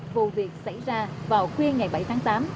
vụ việc xảy ra vào khuya ngày bảy tháng tám